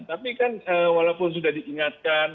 tapi kan walaupun sudah diingatkan